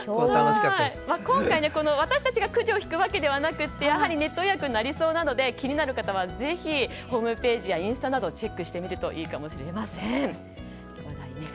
今回、私たちがくじを引くわけではなくネット予約になりそうなので気になる方はぜひ、ホームページやインスタなどをチェックしてみるといいかもしれません。